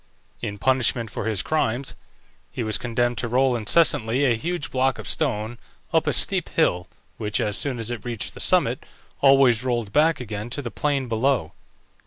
In punishment for his crimes he was condemned to roll incessantly a huge block of stone up a steep hill, which, as soon as it reached the summit, always rolled back again to the plain below.